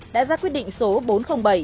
đã ra quyết định số bốn trăm linh bảy